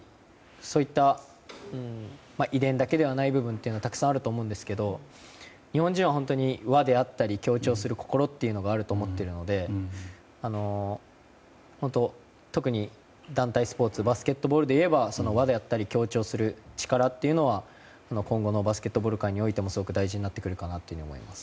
そういった遺伝だけではない部分というのはたくさんあると思うんですけど日本人は本当に輪であったり協調する心があると思っているので特に団体スポーツバスケットボールでいえば輪であったり強調する力というのは今後のバスケットボール界においても大事になってくるかなと思います。